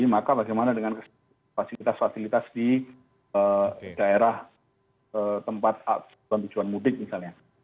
maka bagaimana dengan fasilitas fasilitas di daerah tempat tujuan mudik misalnya